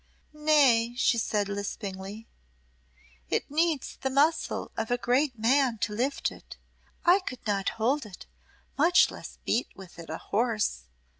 "Nay," she said lispingly, "it needs the muscle of a great man to lift it. I could not hold it much less beat with it a horse."